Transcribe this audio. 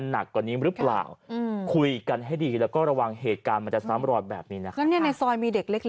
นะครับต่อไปกันนะครับ